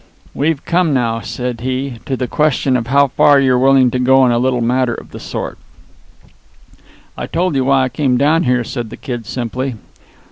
"We've come now," said he, "to the question of how far you're willing to go in a little matter of the sort." "I told you why I came down here," said the Kid simply.